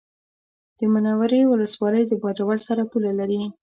د منورې ولسوالي د باجوړ سره پوله لري